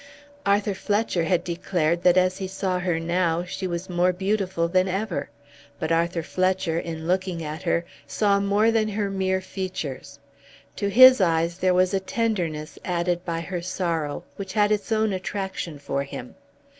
Arthur Fletcher had declared that as he saw her now she was more beautiful than ever. But Arthur Fletcher, in looking at her, saw more than her mere features. To his eyes there was a tenderness added by her sorrow which had its own attraction for him.